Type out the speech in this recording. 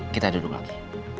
kita duduk lagi